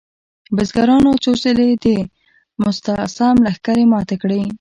بزګرانو څو ځلې د مستعصم لښکرې ماتې کړې.